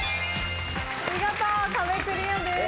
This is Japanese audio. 見事壁クリアです。